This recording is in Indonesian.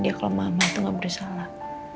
dia kalau mama itu gak bersalah